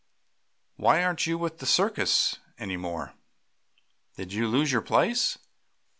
"Why aren't you with the circus any more? Did you lose your place?"